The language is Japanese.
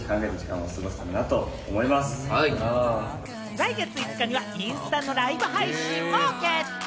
来月５日にはインスタのライブ配信も決定。